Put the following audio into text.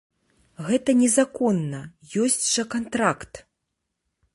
Гэта незаконна, ёсць жа кантракт.